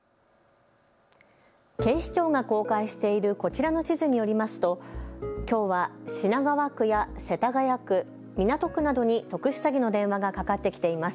警視庁が公開しているこちらの地図によりますときょうは品川区や世田谷区、港区などに特殊詐欺の電話がかかってきています。